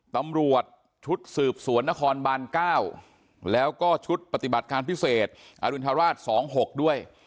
ตำรวจชุดสืบสวนนครบาน๙แล้วก็ชุดปฏิบัติการพิเศษอรุณฑราช๒๖ด้วย